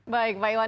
baik pak iwan